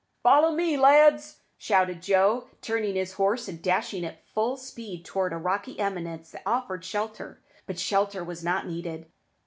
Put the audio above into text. "Follow me, lads!" shouted Joe, turning his horse and dashing at full speed towards a rocky eminence that offered shelter. But shelter was not needed.